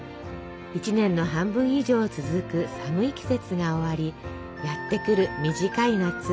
１年の半分以上続く寒い季節が終わりやって来る短い夏。